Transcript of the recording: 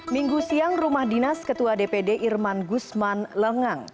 minggu siang rumah dinas ketua dpd irman gusman lengang